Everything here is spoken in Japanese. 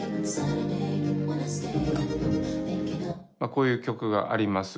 こういう曲があります。